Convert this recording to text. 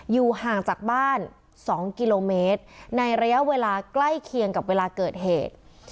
อยู่ห่างจากบ้าน๒กิโลเมตรในระยะเวลาใกล้เคียงกับเวลาเกิดเหตุ